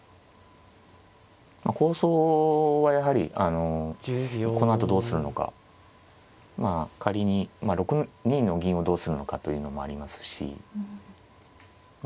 構想はやはりこのあとどうするのかまあ仮に６二の銀をどうするのかというのもありますしまあ